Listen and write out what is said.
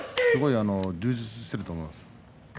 充実していると思います。